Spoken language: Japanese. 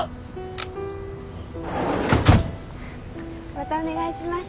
またお願いします。